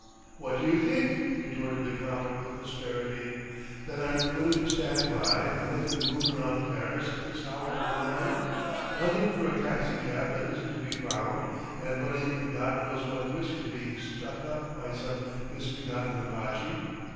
"What do you think?" retorted the Count with asperity "that I'm willing to stand by and let you moon round Paris at this hour of the morning, hunting for a taxicab that isn't to be found and running God knows what risk of being stuck up by some misbegotten Apache?